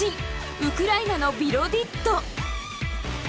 ウクライナのビロディッド。